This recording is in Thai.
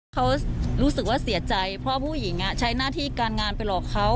เขารู้สึกว่าเสียใจเพราะผู้หญิงใช้หน้าที่การงานไปหลอกเขา